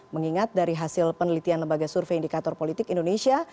mengingat dari hasil penelitian lembaga survei indikator politik indonesia